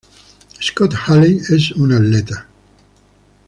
Scott Haley es un atleta.